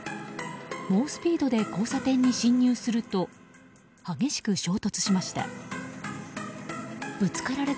猛スピードで交差点に進入すると激しく衝突しました。